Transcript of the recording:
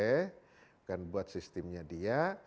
kita akan buat sistemnya dia